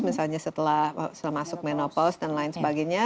misalnya setelah masuk menopaus dan lain sebagainya